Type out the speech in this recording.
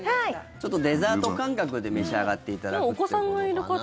ちょっとデザート感覚で召し上がっていただくということかな。